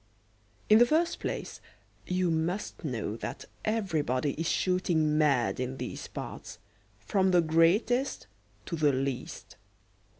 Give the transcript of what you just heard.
In the first place you must know that everybody is shooting mad in these parts, from the greatest to the least.